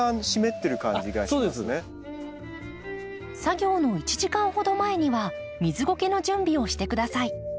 作業の１時間ほど前には水ゴケの準備をして下さい。